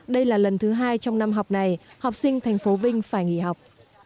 đây là lần thứ hai trong năm học này học sinh thành phố vinh phải nghỉ học